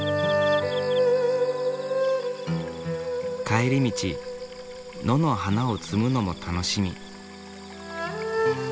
帰り道野の花を摘むのも楽しみ。